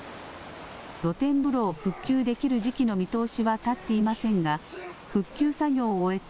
露天風呂を復旧できる時期の見通しは立っていませんが復旧作業を終えた